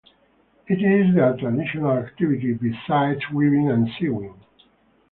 It is their traditional activity besides weaving and sewing.